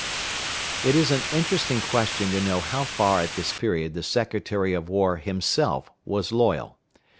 It is an interesting question to know how far at this period the Secretary of War himself was loyal.